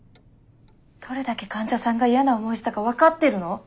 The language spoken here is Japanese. どれだけ患者さんが嫌な思いしたか分かってるの？